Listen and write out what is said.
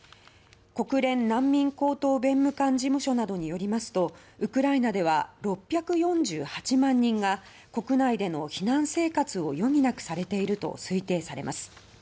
国連難民高等弁務官事務所などによりますとウクライナでは６４８万人が国内での避難生活を余儀なくされていると推定されます。